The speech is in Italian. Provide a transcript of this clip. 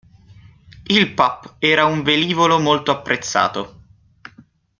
Il Pup era un velivolo molto apprezzato.